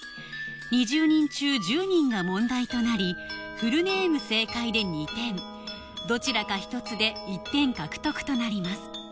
２０人中１０人が問題となりフルネーム正解で２点どちらか１つで１点獲得となります